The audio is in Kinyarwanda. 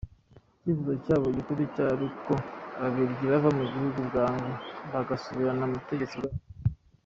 Icyifuzo cyabo gikuru cyari uko Ababiligi bava mu gihuhu bwangu, bagasubirana ubutegetsi bwabo.